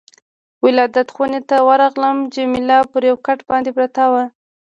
ولادت خونې ته ورغلم، جميله پر یو کټ باندې پرته وه.